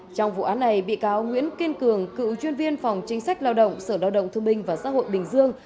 trong vụ án này bị cáo nguyễn kiên cường cựu chuyên viên phòng chính sách lao động sở lao động thương minh và xã hội bình dương